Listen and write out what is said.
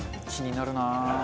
気になるな。